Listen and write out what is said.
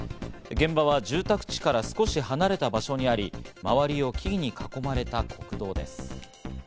現場は住宅地から少し離れた場所にあり、周りを木々に囲まれた国道です。